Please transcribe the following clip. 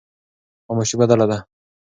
خاموشي بدله ده.